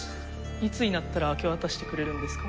いつになったら明け渡してくれるんですか？